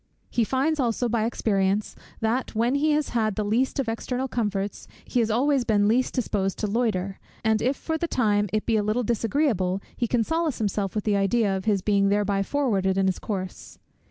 He finds also by experience, that when he has had the least of external comforts, he has always been least disposed to loiter; and if for the time it be a little disagreeable, he can solace himself with the idea of his being thereby forwarded in his course.